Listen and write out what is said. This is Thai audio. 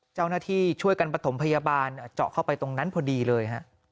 เจ้าหน้าที่ช่วยกันประถมพยาบาลเจาะเข้าไปตรงนั้นพอดีเลยฮะ